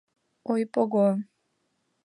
ОЙПОГО